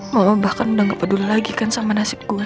mama bahkan udah gak peduli lagi kan sama nasib gue